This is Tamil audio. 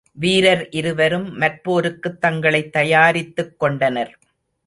வீரர் இருவரும் மற்போருக்குத் தங்களைத் தயாரித்துக்கொண்டனர்.